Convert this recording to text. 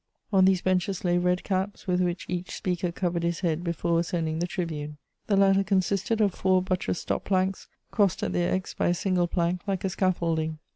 On these benches lay red caps, with which each speaker covered his head before ascending the tribune. The latter consisted of four buttressed stop planks, crossed at their X by a single plank, like a scaffolding.